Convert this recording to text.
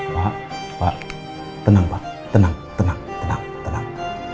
pak pak tenang pak tenang tenang tenang tenang